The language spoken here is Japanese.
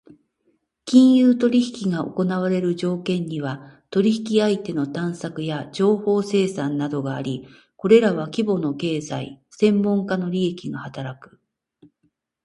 金融取引が行われる条件には、取引相手の探索や情報生産などがあり、これらは規模の経済・専門家の利益が働く。